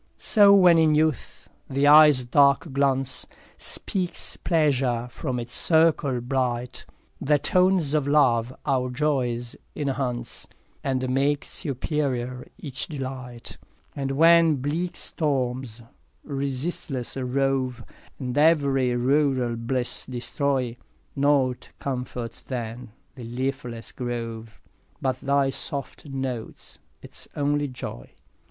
4 So when in youth the eye's dark glance Speaks pleasure from its circle bright, The tones of love our joys enhance, And make superiour each delight. 5 And when bleak storms resistless rove, And ev'ry rural bliss destroy, Nought comforts then the leafless grove But thy soft note – its only joy.